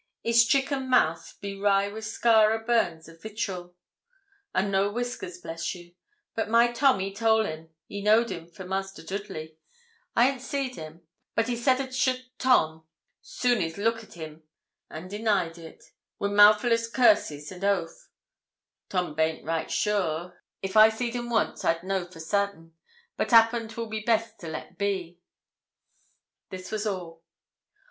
His chick and mouth be wry wi' scar o' burns or vitterel, an' no wiskers, bless you; but my Tom ee toll him he knowed him for Master Doodley. I ant seed him; but he sade ad shute Tom soon is look at 'im, an' denide it, wi' mouthful o' curses and oaf. Tom baint right shure; if I seed un wons i'd no for sartin; but 'appen,'twil best be let be.' This was all.